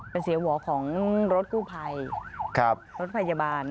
เป็นเสียงหัวของรถกู้ภัยรถพยาบาล